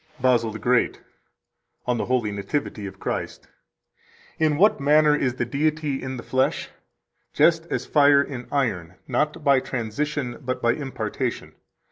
108 BASIL THE GREAT, On the Holy Nativity of Christ (p. 231): "In what manner is the Deity in the flesh? Just as fire in iron, not by transition, but by impartation.